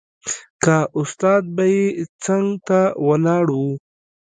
که استاد به يې څنګ ته ولاړ و.